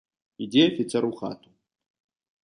Ідзе афіцэр ў хату.